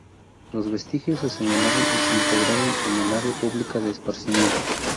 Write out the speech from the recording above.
Los vestigios se señalaron y se integraron en un área pública de esparcimiento.